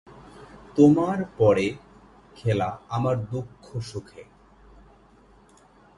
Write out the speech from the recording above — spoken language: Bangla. তোমার 'পরে খেলা আমার দুঃখে সুখে।